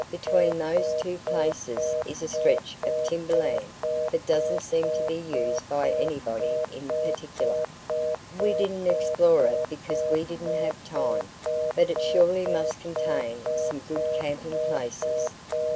Between those two places is a stretch of timberland that doesn't seem to be used by anybody in particular. We didn't explore it because we didn't have time, but it surely must contain some good camping places.